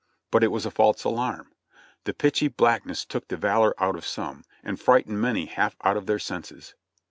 But it was a false alarm. The pitchy blackness took the valor out of some, and frightened many half out of their senses.